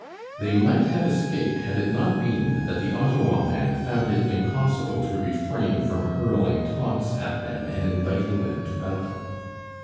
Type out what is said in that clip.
They might have escaped had it not been that the Ottawa man found it impossible to refrain from hurling taunts at them and inviting them to battle.